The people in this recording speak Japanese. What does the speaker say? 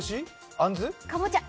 あんず？